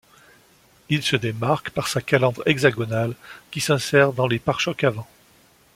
Il se démarque par sa calandre hexagonale qui s'insère dans les pare-chocs avant.